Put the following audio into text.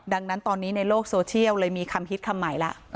ดังนั้นตอนนี้ในโลกโซเชียลเลยมีคำฮิตคำใหม่แล้ว